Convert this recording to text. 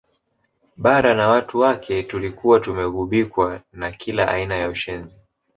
Bara na watu wake tulikuwa tumeghubikwa na kila aina ya ushenzi